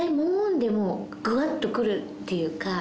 でもグワっとくるっていうか。